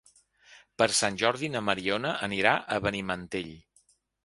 Per Sant Jordi na Mariona anirà a Benimantell.